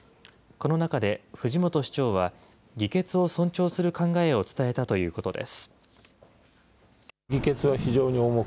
この中で藤本市長は、議決を尊重する考えを伝えたということです。